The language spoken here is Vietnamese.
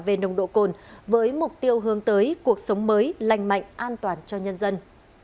về nồng độ cồn với mục tiêu hướng tới cuộc sống mới lành mạnh an toàn cho nhân dân